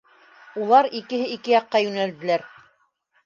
Улар икеһе ике яҡҡа йүнәлделәр.